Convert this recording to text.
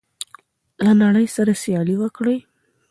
له نړۍ سره سیالي وکړئ.